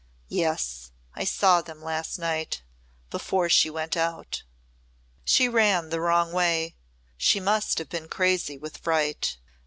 "Yes. I saw them last night before she went out." "She ran the wrong way she must have been crazy with fright.